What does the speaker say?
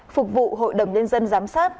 phục vụ hội đồng nhân dân giám sát